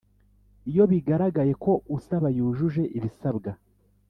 Iyo bigaragaye ko usaba yujuje ibisabwa